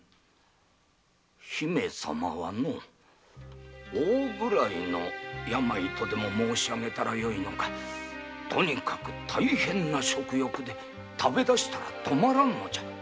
姫様は「大食らいの病」とでも申し上げたらよいのかとにかく大変な食欲で食べ出したら止まらんのじゃ。